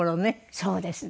そうですね。